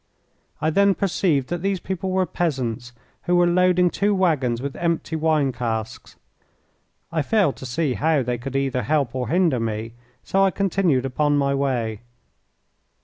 I then perceived that these people were peasants, who were loading two waggons with empty wine casks. I failed to see how they could either help or hinder me, so I continued upon my way.